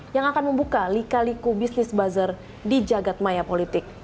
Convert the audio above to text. yang akan membuka lika liku bisnis buzzer di jagad maya politik